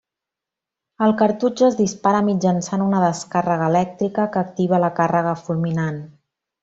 El cartutx es dispara mitjançant una descàrrega elèctrica que activa la càrrega fulminant.